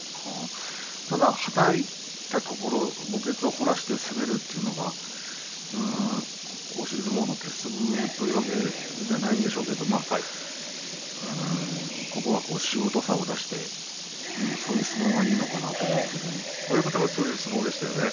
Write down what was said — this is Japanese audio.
はたいたところ墓穴を掘らせて攻めるというのが押し相撲の鉄則というわけではないんでしょうけれどもしぶとさを出してそういう相撲がいいのかなと親方がそういう相撲でしたね。